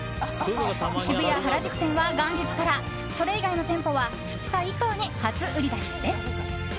渋谷、原宿店は元日からそれ以外の店舗は２日以降に初売り出しです。